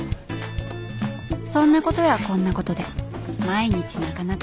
そんなことやこんなことで毎日なかなか忙しい。